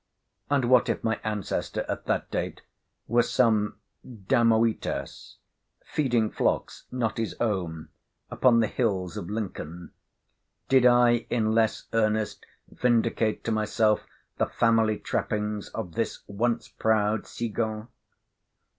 And what if my ancestor at that date was some Damoetas—feeding flocks, not his own, upon the hills of Lincoln—did I in less earnest vindicate to myself the family trappings of this once proud Ægon?